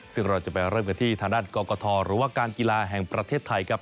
ซึ่งเราจะไปเริ่มกันที่ทางด้านกรกฐหรือว่าการกีฬาแห่งประเทศไทยครับ